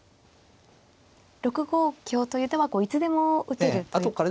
６五香という手はいつでも打てるということですか。